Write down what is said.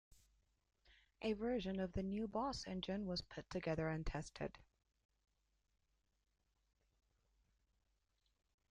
A version of the new Boss engine was put together and tested.